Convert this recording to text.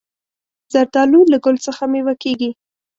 زردالو له ګل څخه مېوه کېږي.